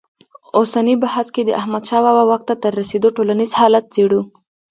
اوسني بحث کې د احمدشاه بابا واک ته تر رسېدو ټولنیز حالت څېړو.